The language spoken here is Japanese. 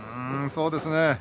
そうですね。